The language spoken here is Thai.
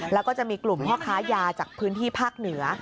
แล้วก็จะมีกลุ่มพ่อค้ายาจากพื้นที่ภาคเหนือ